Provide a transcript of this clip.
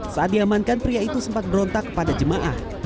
saat diamankan pria itu sempat berontak kepada jemaah